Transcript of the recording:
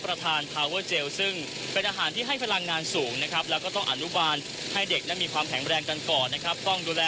ข่าเข้ายองรอยเท้าหวัดเชียบร้ายในพราษกรชิกภรรยุนหญัตนละท่าว่าตอนนี้เด็กไม่ได้มีการรับประทานอาหารนานนับสิบวันนะครับ